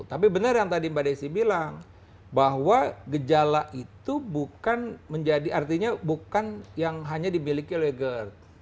tapi benar yang tadi mbak desi bilang bahwa gejala itu bukan menjadi artinya bukan yang hanya dimiliki oleh gerd